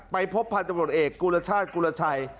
ไปพบภัทรตำรวจเอกกุฤชาษณ์กุฤชัย